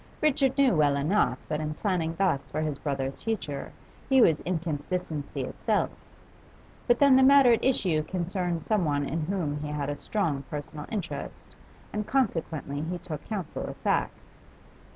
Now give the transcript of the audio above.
Richard knew well enough that in planning thus for his brother's future he was inconsistency itself; but then the matter at issue concerned someone in whom he had a strong personal interest, and consequently he took counsel of facts.